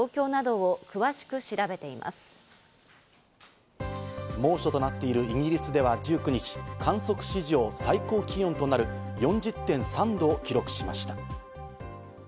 警察が事故の状況な猛暑となっているイギリスでは１９日、観測史上最高気温となる４０．３度を記録しました。